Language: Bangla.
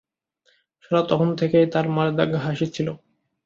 শালা তখন থেকেই তার মারদাঙ্গা হাসি ছিল!